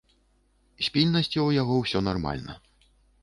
З пільнасцю ў яго ўсё нармальна.